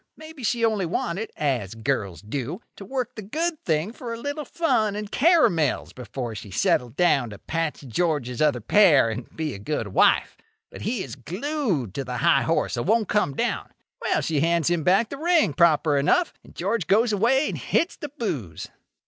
Maybe she only wanted, as girls do, to work the good thing for a little fun and caramels before she settled down to patch George's other pair, and be a good wife. But he is glued to the high horse, and won't come down. Well, she hands him back the ring, proper enough; and George goes away and hits the booze.